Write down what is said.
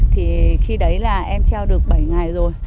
thì khi đấy là em treo được bảy ngày rồi